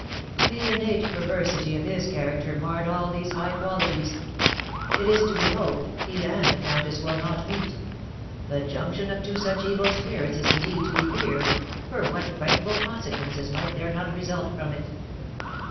"The innate perversity of his character marred all these high qualities. It is to be hoped he and the countess will not meet; the junction of two such evil spirits is indeed to be feared, for what frightful consequences might there not result from it!